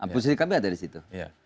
posisi kami ada di situ